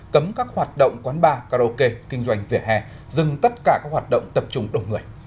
cấm các hoạt động quán bar karaoke kinh doanh vỉa hè dừng tất cả các hoạt động tập trung đông người